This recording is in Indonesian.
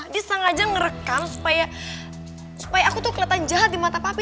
dia sengaja ngerekam supaya aku tuh kelihatan jahat di mata papa